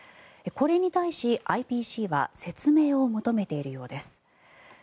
これに対し、ＩＰＣは説明を求めているようです。